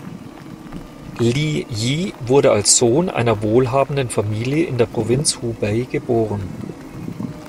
Li Ji wurde als Sohn einer wohlhabenden Familie in der Provinz Hubei geboren.